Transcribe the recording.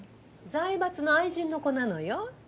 財閥の愛人の子なのよ。